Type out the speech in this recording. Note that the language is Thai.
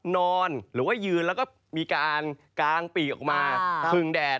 นอนหรือว่ายืนแล้วก็มีการกางปีกออกมาพึงแดด